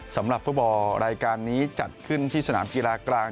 สำหรับฟุตบอลรายการนี้จัดขึ้นที่สนามกีฬากลาง